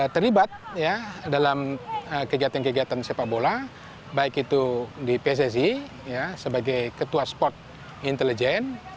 terlibat dalam kegiatan kegiatan sepak bola baik itu di pssi sebagai ketua sport intelijen